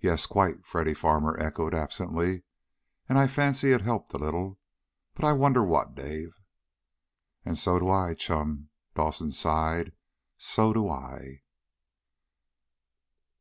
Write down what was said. "Yes, quite," Freddy Farmer echoed absently. "And I fancy it helped a little. But I wonder what, Dave?" "And so do I, chum," Dawson sighed. "So do I!"